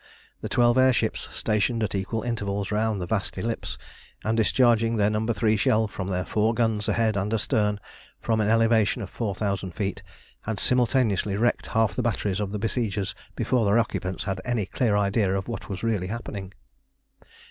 The twelve air ships stationed at equal intervals round the vast ellipse, and discharging their No. 3 shell from their four guns ahead and astern, from an elevation of four thousand feet, had simultaneously wrecked half the batteries of the besiegers before their occupants had any clear idea of what was really happening.